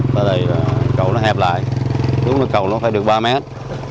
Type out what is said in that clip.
tại đây là cầu nó hẹp lại lúc đó cầu nó phải được ba mét